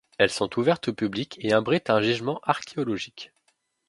Elles sont ouvertes au public et abritent un gisement archéologique.